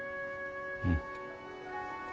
うん。